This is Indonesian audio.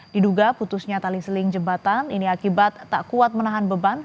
diduga putusnya tali seling jembatan ini akibat tak kuat menahan beban